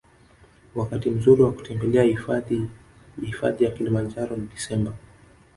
Wakati mzuri wa kutembelea hifadhi hifadhi ya kilimanjaro ni desemba